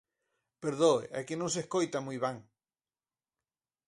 Perdoe, é que non se escoita moi ben.